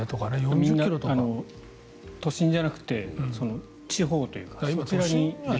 みんな都心じゃなくて地方というか。